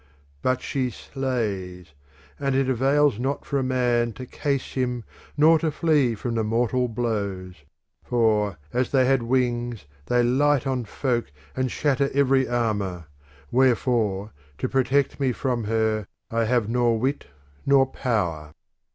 ^ But she slays ; and it avails not for a man to case him Nor to flee from the mortal blows ; for as had they wings they light on folk and shatter every armour : wherefore, to protect me from her, I have nor wit nor power.